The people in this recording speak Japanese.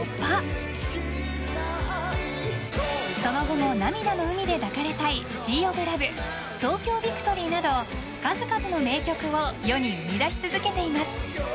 ［その後も『涙の海で抱かれたいＳＥＡＯＦＬＯＶＥ』『東京ＶＩＣＴＯＲＹ』など数々の名曲を世に生み出し続けています］